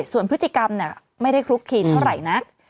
ส่วนพฤติกรรมไม่ได้คลุกคีนเท่าไหร่นัก